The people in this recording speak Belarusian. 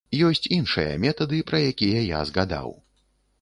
Ёсць іншыя метады, пра якія я згадаў.